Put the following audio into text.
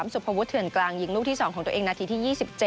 สุภวุฒเถื่อนกลางยิงลูกที่๒ของตัวเองนาทีที่๒๗